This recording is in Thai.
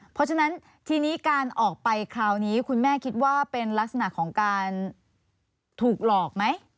เพราะฉะนั้นทีนี้การออกไปคราวนี้คุณแม่คิดว่าเป็นลักษณะของการถูกหลอกไหม